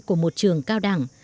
của một trường cao đẳng